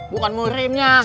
bukan mau remnya